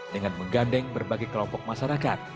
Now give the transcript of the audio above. dengan menggandeng berbagai kelompok masyarakat